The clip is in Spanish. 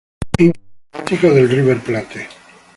Hincha fanático de River Plate.